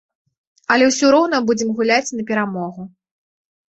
Але ўсё роўна будзем гуляць на перамогу.